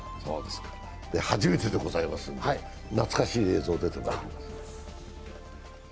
初めてでございますんで、なつかしい映像が出ています。